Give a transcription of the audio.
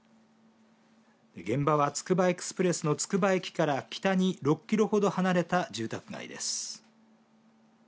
現場は、つくばエクスプレスのつくば駅から北に６キロほど離れた住宅街です。